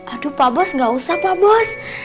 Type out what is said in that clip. aduh pak bos gak usah pak bos